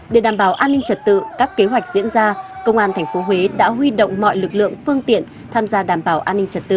để đảm bảo an ninh trật tự các kế hoạch diễn ra công an tp huế đã huy động mọi lực lượng phương tiện tham gia đảm bảo an ninh trật tự